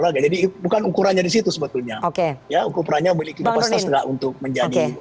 raja jadi bukan ukurannya disitu sebetulnya oke ya ukurannya memiliki bahwa setelah untuk menjadi